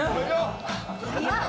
早っ！